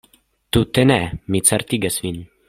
Tute ne, mi certigas vin!